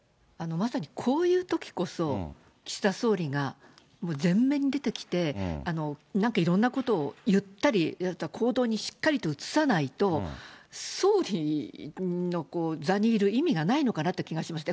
まさにこういうときこそ、岸田総理が前面に出てきて、なんかいろんなことを言ったり、行動にしっかり移さないと、総理の座にいる意味がないのかなという気がします。